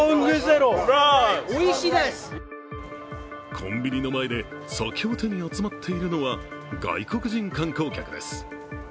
コンビニの前で酒を手に集まっているのは外国人観光客です。